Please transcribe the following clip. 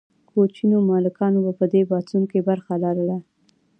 کوچنیو مالکانو هم په دې پاڅون کې برخه لرله.